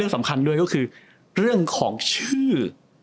สำคัญด้วยก็คือเรื่องของชื่อ